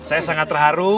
saya sangat terharu